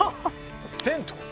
テント！